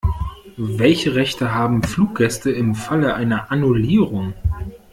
Welche Rechte haben Fluggäste im Falle einer Annullierung?